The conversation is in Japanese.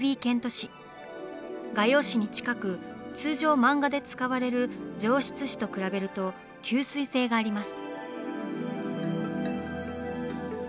画用紙に近く通常漫画で使われる「上質紙」と比べると吸水性があります。